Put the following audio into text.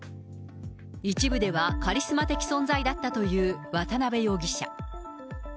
一部ではカリスマ的存在だったという渡辺容疑者。